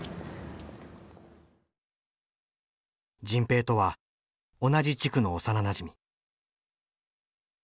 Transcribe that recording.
迅平とは同じ地区の幼なじみ。